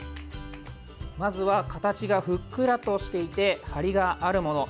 まずは形がふっくらとしていて張りがあるもの。